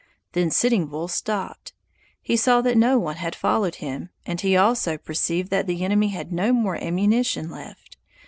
Then Sitting Bull stopped; he saw that no one had followed him, and he also perceived that the enemy had no more ammunition left.